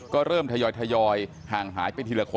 ก็เริ่มทยอยห่างหายไปทีละคน